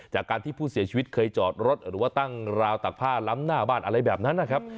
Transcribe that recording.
จากการที่ผู้เสียชีวิตเคยจอดรถหรือว่าตั้งราวตักผ้าล้ำหน้าบ้านอะไรแบบนั้นนะครับ